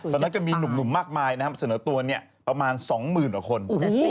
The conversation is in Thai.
ตอนนั้นก็มีหนุ่มมากมายสนุนตัวนี้ประมาณ๒หมื่นหรอกคน